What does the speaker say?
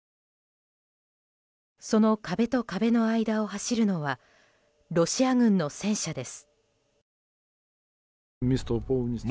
その壁と壁の間を走るのはロシア軍の戦車です。